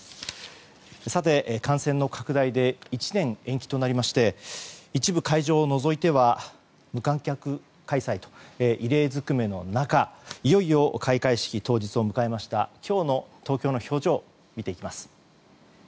さて、感染の拡大で１年延期となりまして一部会場を除いては無観客開催と異例尽くめの中いよいよ開会式当日を迎えました今日の東京の表情を見ていきます。